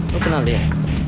lo kenal dia